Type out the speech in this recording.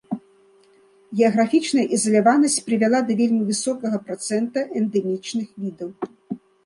Геаграфічная ізаляванасць прывяла да вельмі высокага працэнта эндэмічных відаў.